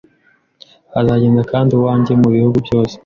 Azagende kandi uwanjye mubihugu byose